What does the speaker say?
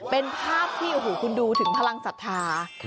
เป็นภาพที่โอ้โหคุณดูถึงพลังศรัทธา